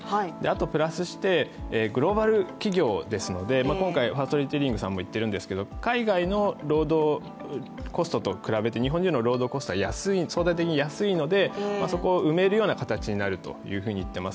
プラスしてグローバル企業ですので今回、ファーストリテイリングさんも言っているんですけども海外の労働コストと比べて日本人の労働コストは相対的に安いのでそこを埋めるような形になると言っています。